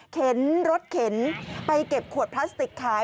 เข็นรถเข็นไปเก็บขวดพลาสติกขาย